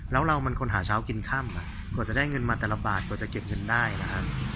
แล้วเรามันคนหาเช้ากินค่ำกว่าจะได้เงินมาแต่ละบาทกว่าจะเก็บเงินได้นะครับ